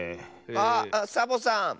あっサボさん！